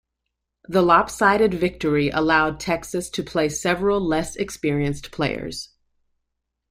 The lopsided victory allowed Texas to play several less-experienced players.